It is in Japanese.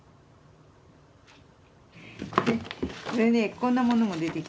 こんなものも出てきたけど。